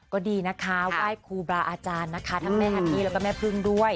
ก็ดีนะคะไหว้ครูบาอาจารย์นะคะทั้งแม่ฮันนี่แล้วก็แม่พึ่งด้วย